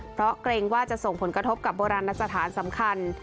เพราะเกรงว่าจะส่งผลกระทบกับโบราณสถานสำคัญ